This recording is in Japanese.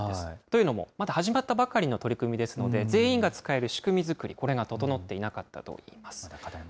というのも、まだ始まったばかりの取り組みですので、全員が使える仕組み作り、これが整っていなかったといいます。